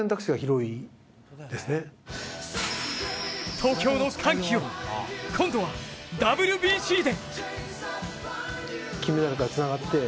東京の歓喜を、今度はＷＢＣで。